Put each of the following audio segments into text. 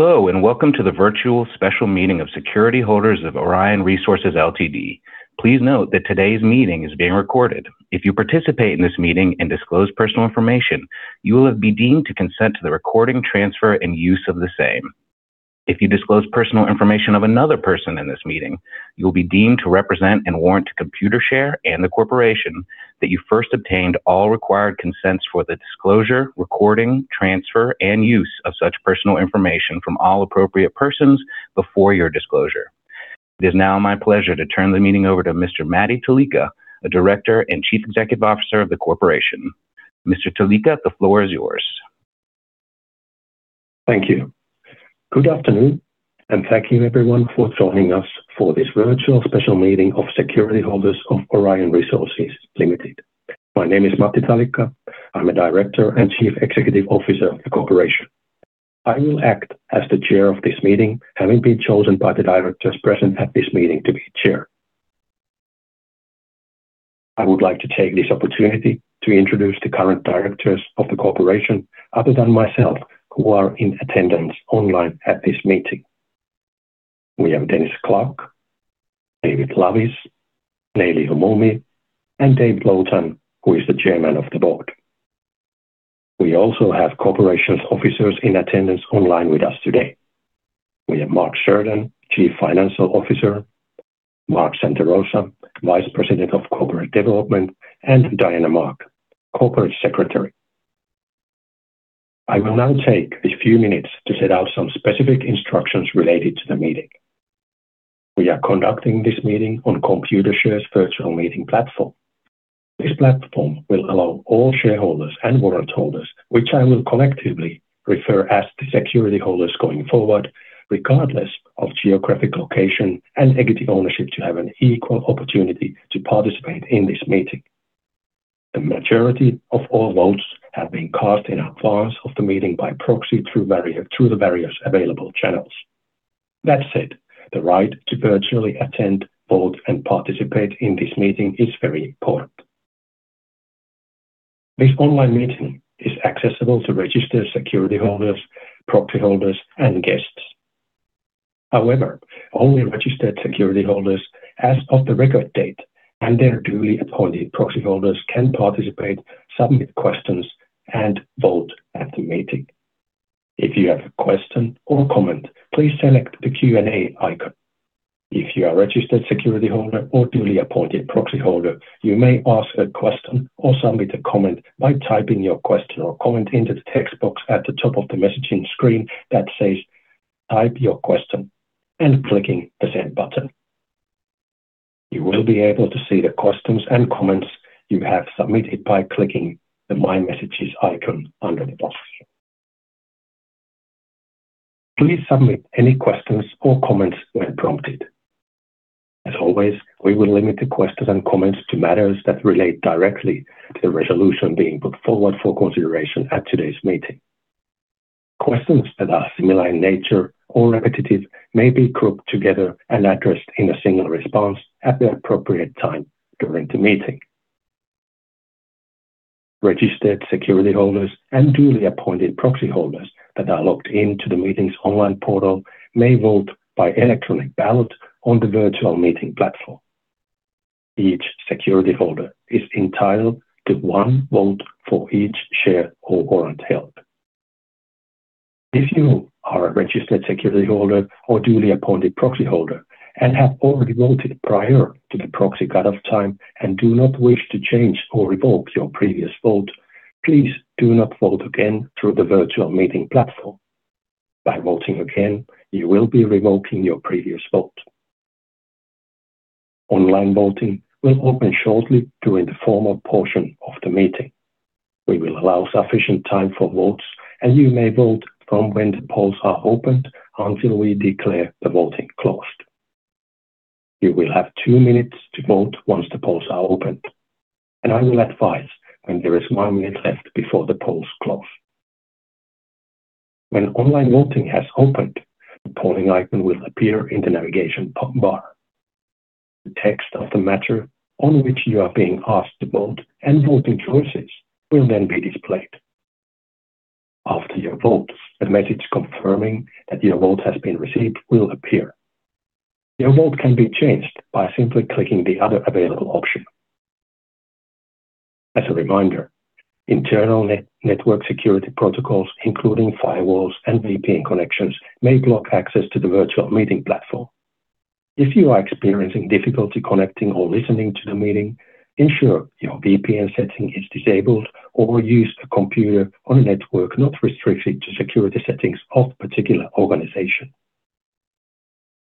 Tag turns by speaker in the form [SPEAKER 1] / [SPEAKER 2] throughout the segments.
[SPEAKER 1] Hello, and welcome to the virtual special meeting of security holders of Aurion Resources Ltd. Please note that today's meeting is being recorded. If you participate in this meeting and disclose personal information, you will be deemed to consent to the recording, transfer, and use of the same. If you disclose personal information of another person in this meeting, you will be deemed to represent and warrant to Computershare and the corporation that you first obtained all required consents for the disclosure, recording, transfer, and use of such personal information from all appropriate persons before your disclosure. It is now my pleasure to turn the meeting over to Mr. Matti Talikka, a Director and Chief Executive Officer of the corporation. Mr. Talikka, the floor is yours.
[SPEAKER 2] Thank you. Good afternoon, and thank you everyone for joining us for this virtual special meeting of security holders of Aurion Resources Limited. My name is Matti Talikka. I'm a Director and Chief Executive Officer of the corporation. I will act as the chair of this meeting, having been chosen by the directors present at this meeting to be chair. I would like to take this opportunity to introduce the current directors of the corporation, other than myself, who are in attendance online at this meeting. We have Dennis Clarke, David Loveys, Leily Omoumi, and David Lotan, who is the Chairman of the Board. We also have corporation's officers in attendance online with us today. We have Mark Serdan, Chief Financial Officer, Mark Santarossa, Vice President of Corporate Development, and Diana Mark, Corporate Secretary. I will now take a few minutes to set out some specific instructions related to the meeting. We are conducting this meeting on Computershare's virtual meeting platform. This platform will allow all shareholders and warrant holders, which I will collectively refer as the security holders going forward, regardless of geographic location and equity ownership, to have an equal opportunity to participate in this meeting. The majority of all votes have been cast in advance of the meeting by proxy through the various available channels. That said, the right to virtually attend, vote, and participate in this meeting is very important. This online meeting is accessible to registered security holders, proxy holders, and guests. However, only registered security holders as of the record date and their duly appointed proxy holders can participate, submit questions, and vote at the meeting. If you have a question or comment, please select the Q&A icon. If you are a registered security holder or duly appointed proxy holder, you may ask a question or submit a comment by typing your question or comment into the text box at the top of the messaging screen that says, "Type your question," and clicking the send button. You will be able to see the questions and comments you have submitted by clicking the My Messages icon under the box. Please submit any questions or comments when prompted. As always, we will limit the questions and comments to matters that relate directly to the resolution being put forward for consideration at today's meeting. Questions that are similar in nature or repetitive may be grouped together and addressed in a single response at the appropriate time during the meeting. Registered security holders and duly appointed proxy holders that are logged in to the meeting's online portal may vote by electronic ballot on the virtual meeting platform. Each security holder is entitled to one vote for each share or warrant held. If you are a registered security holder or duly appointed proxy holder and have already voted prior to the proxy cutoff time and do not wish to change or revoke your previous vote, please do not vote again through the virtual meeting platform. By voting again, you will be revoking your previous vote. Online voting will open shortly during the formal portion of the meeting. We will allow sufficient time for votes, and you may vote from when the polls are opened until we declare the voting closed. You will have two minutes to vote once the polls are opened, and I will advise when there is one minute left before the polls close. When online voting has opened, the polling icon will appear in the navigation bar. The text of the matter on which you are being asked to vote and voting choices will then be displayed. After you vote, a message confirming that your vote has been received will appear. Your vote can be changed by simply clicking the other available option. As a reminder, internal network security protocols, including firewalls and VPN connections, may block access to the virtual meeting platform. If you are experiencing difficulty connecting or listening to the meeting, ensure your VPN setting is disabled or use a computer on a network not restricted to security settings of the particular organization.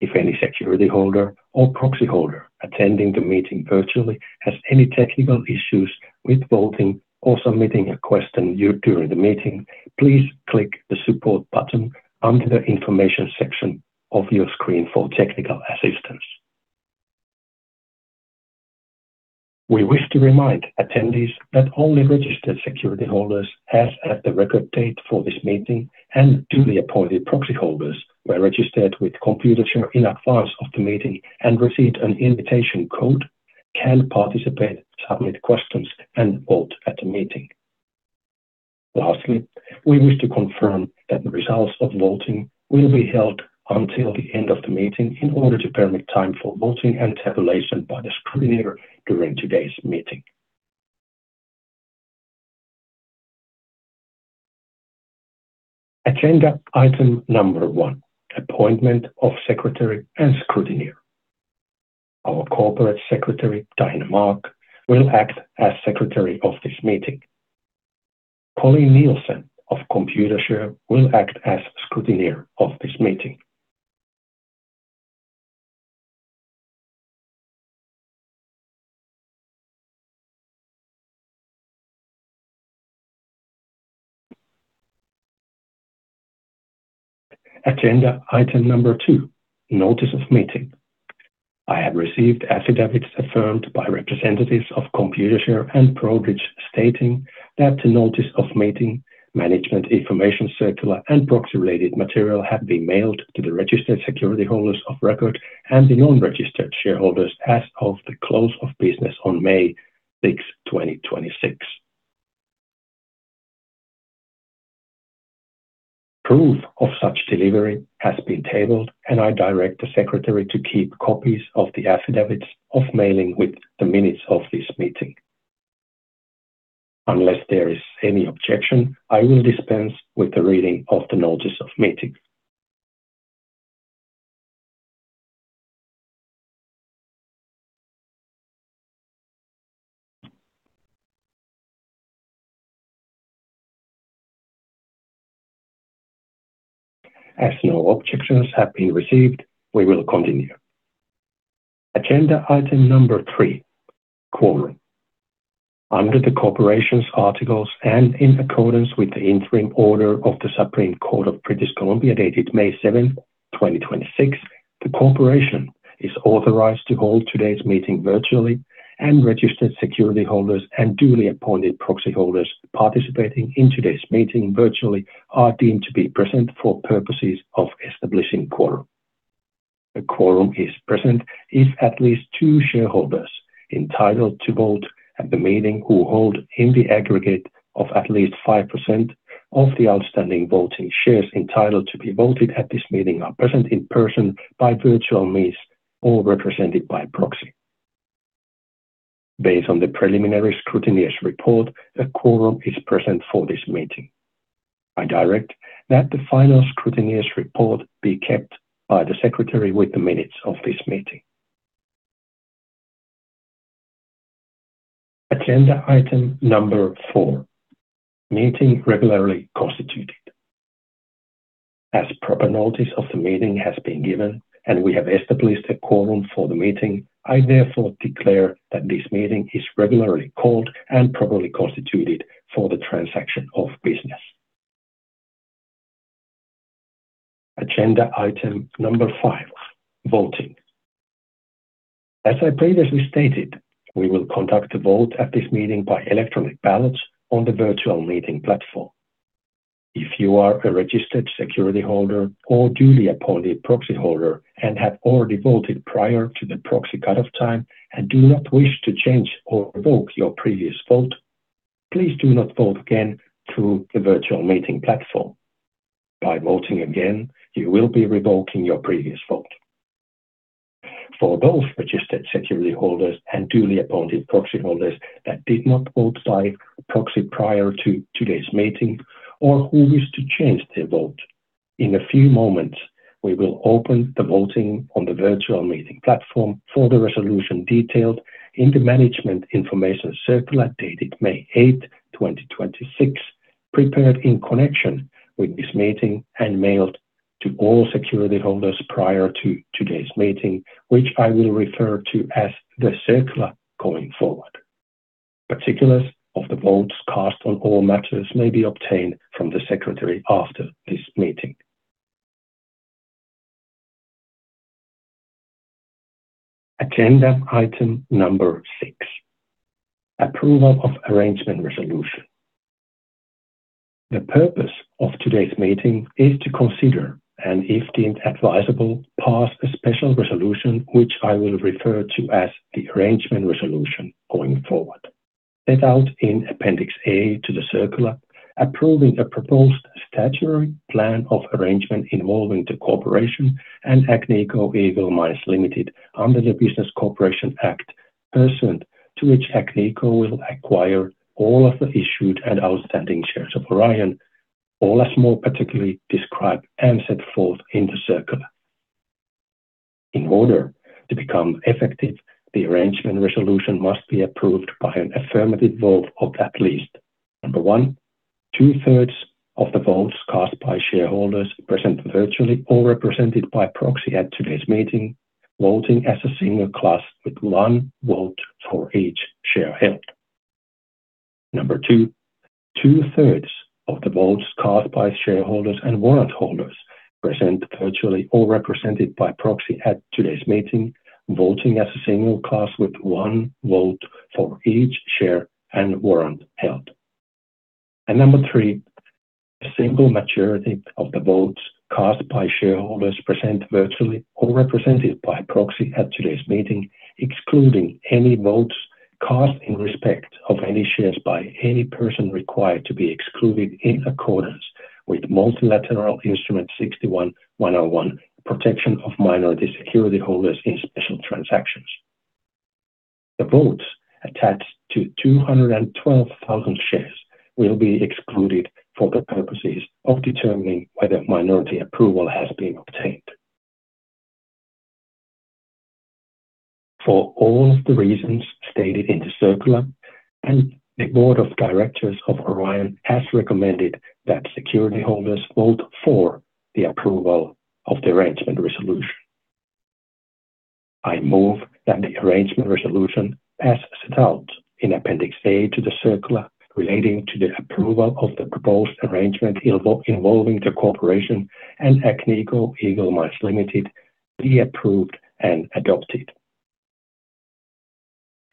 [SPEAKER 2] If any security holder or proxy holder attending the meeting virtually has any technical issues with voting or submitting a question during the meeting, please click the support button under the information section of your screen for technical assistance. We wish to remind attendees that only registered security holders as at the record date for this meeting and duly appointed proxy holders were registered with Computershare in advance of the meeting and received an invitation code can participate, submit questions, and vote at the meeting. We wish to confirm that the results of voting will be held until the end of the meeting in order to permit time for voting and tabulation by the scrutineer during today's meeting. Agenda item number one, appointment of secretary and scrutineer. Our corporate secretary, Diana Mark, will act as secretary of this meeting. Colleen Nielsen of Computershare will act as scrutineer of this meeting. Agenda item number two, notice of meeting. I have received affidavits affirmed by representatives of Computershare and Broadridge stating that the notice of meeting, management information circular, and proxy-related material have been mailed to the registered security holders of record and the non-registered shareholders as of the close of business on May 6th, 2026. Proof of such delivery has been tabled. I direct the secretary to keep copies of the affidavits of mailing with the minutes of this meeting. Unless there is any objection, I will dispense with the reading of the notice of meeting. As no objections have been received, we will continue. Agenda item number three, quorum. Under the corporation's articles and in accordance with the interim order of the Supreme Court of British Columbia, dated May 7th, 2026, the corporation is authorized to hold today's meeting virtually, and registered security holders and duly appointed proxy holders participating in today's meeting virtually are deemed to be present for purposes of establishing quorum. A quorum is present if at least two shareholders entitled to vote at the meeting who hold in the aggregate of at least 5% of the outstanding voting shares entitled to be voted at this meeting are present in person by virtual means or represented by proxy. Based on the preliminary scrutineer's report, a quorum is present for this meeting. I direct that the final scrutineer's report be kept by the secretary with the minutes of this meeting. Agenda item number four, meeting regularly constituted. As proper notice of the meeting has been given and we have established a quorum for the meeting, I therefore declare that this meeting is regularly called and properly constituted for the transaction of business. Agenda item number five, voting. As I previously stated, we will conduct a vote at this meeting by electronic ballots on the virtual meeting platform. If you are a registered security holder or duly appointed proxy holder and have already voted prior to the proxy cutoff time and do not wish to change or revoke your previous vote, please do not vote again through the virtual meeting platform. By voting again, you will be revoking your previous vote. For those registered security holders and duly appointed proxy holders that did not vote by proxy prior to today's meeting or who wish to change their vote, in a few moments, we will open the voting on the virtual meeting platform for the resolution detailed in the management information circular dated May 8th, 2026, prepared in connection with this meeting and mailed to all security holders prior to today's meeting, which I will refer to as the circular going forward. Particulars of the votes cast on all matters may be obtained from the secretary after this meeting. Agenda item number six, approval of arrangement resolution. The purpose of today's meeting is to consider and, if deemed advisable, pass a special resolution, which I will refer to as the arrangement resolution going forward, set out in appendix A to the circular, approving a proposed statutory plan of arrangement involving the corporation and Agnico Eagle Mines Limited under the Business Corporations Act, pursuant to which Agnico will acquire all of the issued and outstanding shares of Aurion, all as more particularly described and set forth in the circular. In order to become effective, the arrangement resolution must be approved by an affirmative vote of at least, number one, 2/3 of the votes cast by shareholders present virtually or represented by proxy at today's meeting, voting as a single class with one vote for each share held. Number 2/3 of the votes cast by shareholders and warrant holders present virtually or represented by proxy at today's meeting, voting as a single class with one vote for each share and warrant held. Number three, a simple majority of the votes cast by shareholders present virtually or represented by a proxy at today's meeting, excluding any votes cast in respect of any shares by any person required to be excluded in accordance with Multilateral Instrument 61-101, Protection of Minority Security Holders in Special Transactions. The votes attached to 212,000 shares will be excluded for the purposes of determining whether minority approval has been obtained. For all of the reasons stated in the circular, and the board of directors of Aurion has recommended that security holders vote for the approval of the Arrangement Resolution. I move that the Arrangement Resolution, as set out in Appendix A to the circular relating to the approval of the proposed arrangement involving the corporation and Agnico Eagle Mines Limited be approved and adopted.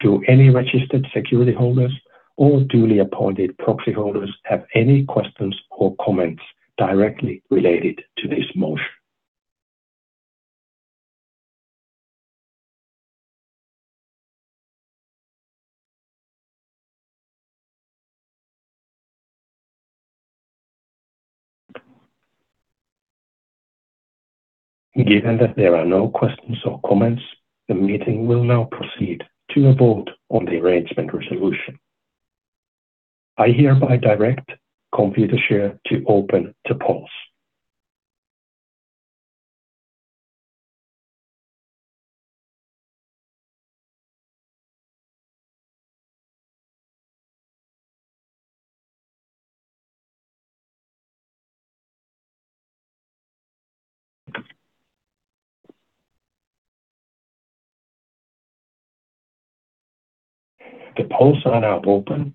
[SPEAKER 2] Do any registered security holders or duly appointed proxy holders have any questions or comments directly related to this motion? Given that there are no questions or comments, the meeting will now proceed to a vote on the Arrangement Resolution. I hereby direct Computershare to open the polls. The polls are now open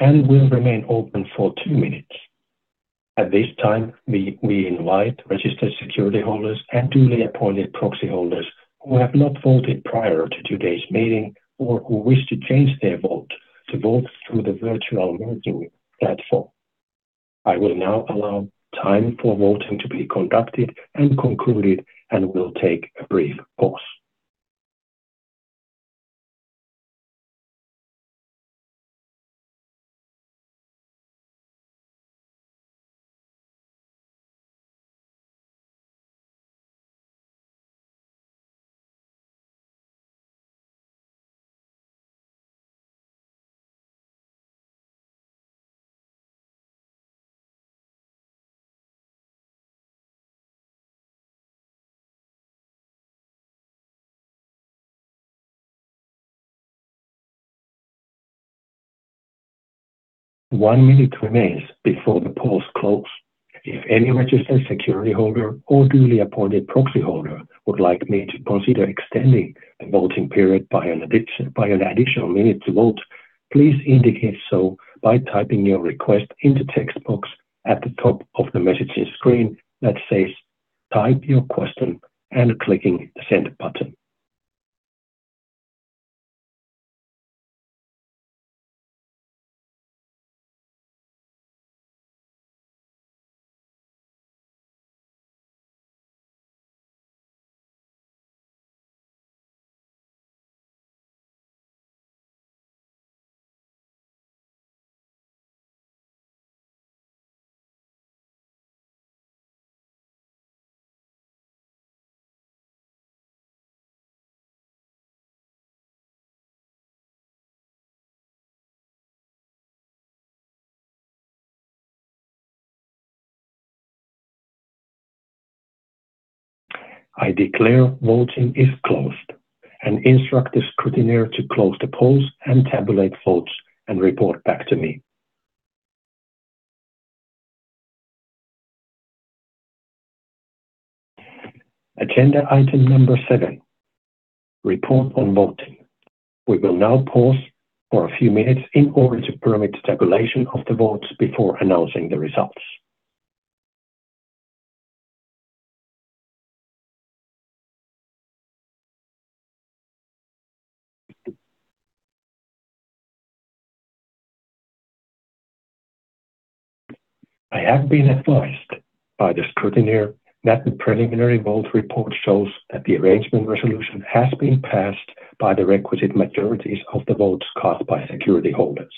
[SPEAKER 2] and will remain open for two minutes. At this time, we invite registered security holders and duly appointed proxy holders who have not voted prior to today's meeting or who wish to change their vote to vote through the virtual meeting platform. I will now allow time for voting to be conducted and concluded and will take a brief pause. One minute remains before the polls close. If any registered security holder or duly appointed proxy holder would like me to consider extending the voting period by an additional minute to vote, please indicate so by typing your request in the text box at the top of the messaging screen that says, "Type your question," and clicking the send button. I declare voting is closed and instruct the scrutineer to close the polls and tabulate votes and report back to me. Agenda item number seven, report on voting. We will now pause for a few minutes in order to permit tabulation of the votes before announcing the results. I have been advised by the scrutineer that the preliminary vote report shows that the Arrangement Resolution has been passed by the requisite majorities of the votes cast by security holders.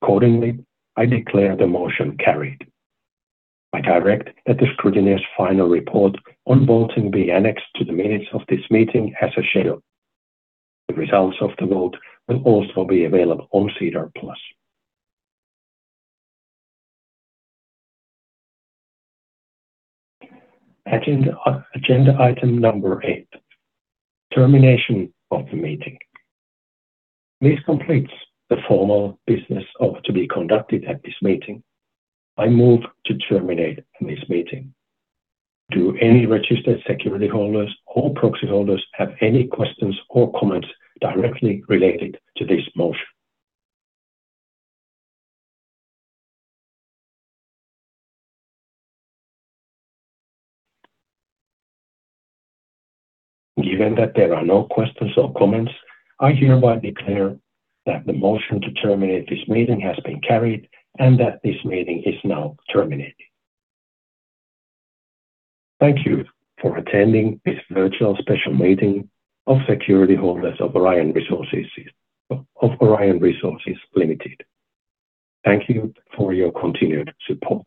[SPEAKER 2] Accordingly, I declare the motion carried. I direct that the scrutineer's final report on voting be annexed to the minutes of this meeting as a schedule. The results of the vote will also be available on SEDAR+. Agenda item number eight, termination of the meeting. This completes the formal business to be conducted at this meeting. I move to terminate this meeting. Do any registered security holders or proxy holders have any questions or comments directly related to this motion? Given that there are no questions or comments, I hereby declare that the motion to terminate this meeting has been carried and that this meeting is now terminated. Thank you for attending this virtual special meeting of security holders of Aurion Resources Limited. Thank you for your continued support